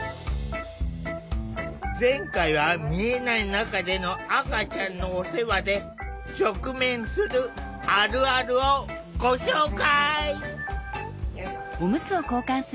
前回は見えない中での赤ちゃんのお世話で直面するあるあるをご紹介。